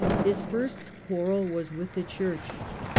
His first quarrel was with the church.